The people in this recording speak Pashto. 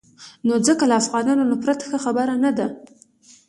نو ځکه له افغانانو نفرت ښه خبره نه ده.